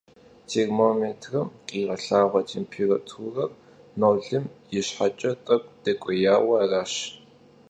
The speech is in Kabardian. Têrmomêtrım khiğelhağue têmpêraturer nolım yişheç'e t'ek'u dek'uêyue araş.